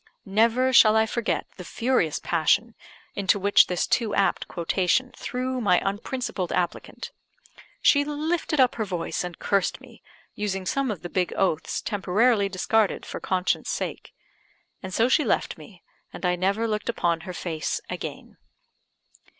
Never shall I forget the furious passion into which this too apt quotation threw my unprincipled applicant. She lifted up her voice and cursed me, using some of the big oaths temporarily discarded for conscience sake. And so she left me, and I never looked upon her face again.